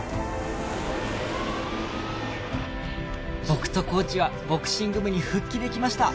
僕とコーチはボクシング部に復帰できました